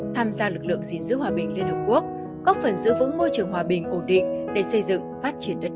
tham gia lực lượng gìn giữ hòa bình liên hợp quốc góp phần giữ vững môi trường hòa bình ổn định để xây dựng phát triển đất nước